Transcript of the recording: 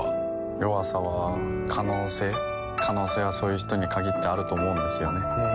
弱さは可能性可能性はそういう人に限ってあると思うんですよね